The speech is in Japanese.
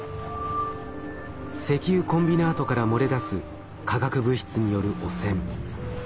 石油コンビナートから漏れ出す化学物質による汚染。